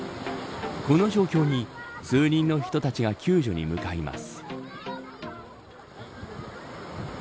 この状況に、数人の人たちが救助に向かいます。